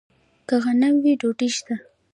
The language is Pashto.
که غنم وي، ډوډۍ شته.